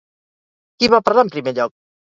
Qui va parlar en primer lloc?